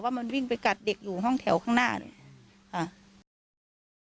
มันวิ่งไปกัดเด็กอยู่ห้องแถวข้างหน้าเนี่ย